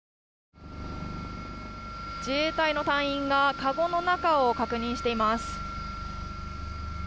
自衛隊の隊員がかごの中を確認しています。